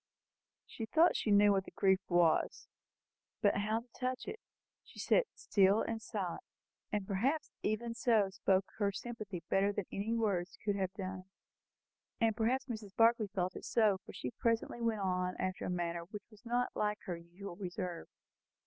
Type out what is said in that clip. She thought she knew what the grief was; but how to touch it? She sat still and silent, and perhaps even so spoke her sympathy better than any words could have done it. And perhaps Mrs. Barclay felt it so, for she presently went on after a manner which was not like her usual reserve.